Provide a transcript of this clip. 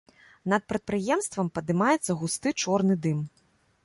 Над прадпрыемствам падымаецца густы чорны дым.